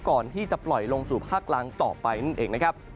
ก่อนที่จะปล่อยลงสู่ภาคลังต่อไปนั่นเอง